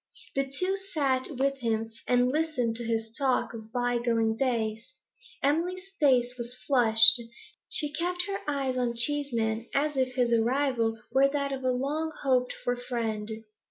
The two sat with him, and listened to his talk of bygone days. Emily's face was flushed; she kept her eyes on Cheeseman as if his arrival were that of a long hoped for friend.